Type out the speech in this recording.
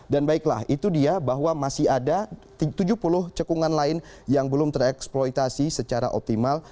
baiklah itu dia bahwa masih ada tujuh puluh cekungan lain yang belum tereksploitasi secara optimal